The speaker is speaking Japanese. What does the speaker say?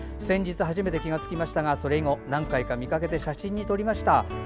先日初めて気が付きましたがそれ以後、何回か見かけて写真に撮りました。